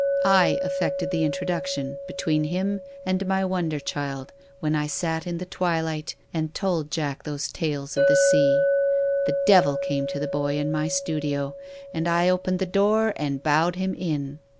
I effected the introduction between him and my wonder child when I sat in the twilight and told Jack those tales of the sea. The devil came to the boy in my studio, and I opened the door and bowed him in.